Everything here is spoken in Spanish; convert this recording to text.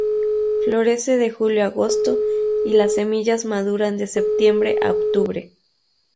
Florece de julio a agosto, y las semillas maduran de septiembre a octubre.